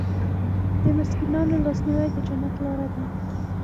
د مسکینانو لاسنیوی د جنت لاره ده.